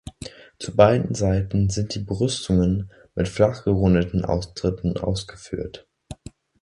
Zu beiden Seiten sind die Brüstungen mit flach gerundeten Austritten ausgeführt.